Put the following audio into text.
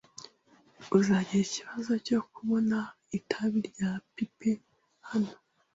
Uzagira ikibazo cyo kubona itabi rya pipe hano